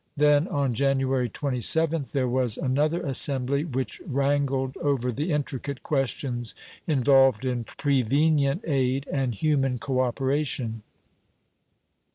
Then on January 27th there was another assembly which wrangled over the intricate questions involved in prevenient aid and human cooperation.